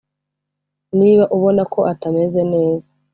niba ubona ko atameze neza,